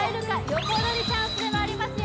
横取りチャンスでもありますよ